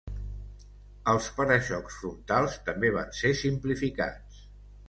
Els para-xocs frontals també van ser simplificats.